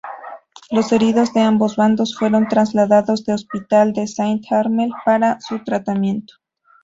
Los heridos de ambos bandos fueron trasladados al hospital de Saint-Armel para su tratamiento.